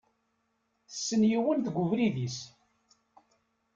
Tessen yiwen deg ubrid-is.